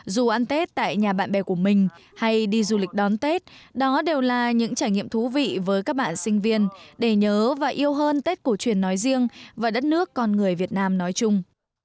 dù ăn tết tại nhà bạn bè của mình hay đi du lịch đón tết đó đều là những trải nghiệm thú vị với các bạn sinh viên để nhớ và yêu hơn tết cổ truyền nói riêng và đất nước con người việt nam nói chung